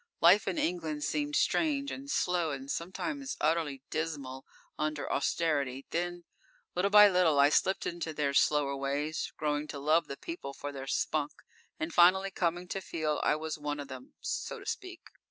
Life in England seemed strange and slow and sometimes utterly dismal under Austerity. Then, little by little I slipped into their slower ways, growing to love the people for their spunk, and finally coming to feel I was one of them, so to speak.